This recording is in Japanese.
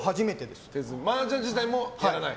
マージャン自体もやらない？